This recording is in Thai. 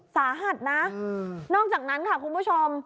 สาหัสนะนอกจากนั้นค่ะคุณผู้ชม